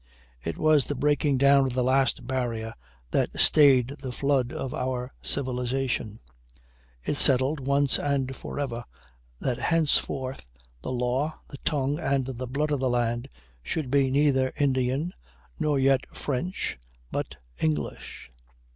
It was the breaking down of the last barrier that stayed the flood of our civilization; it settled, once and for ever, that henceforth the law, the tongue, and the blood of the land should be neither Indian, nor yet French, but English.